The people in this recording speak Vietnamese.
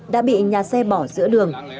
đã bị nhà xe bỏ giữa đường